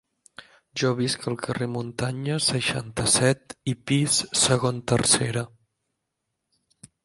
Jo visc al carrer Muntanyes seixanta-set i pis segon tercera.